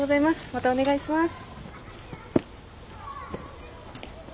またお願いします。